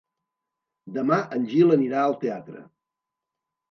Demà en Gil anirà al teatre.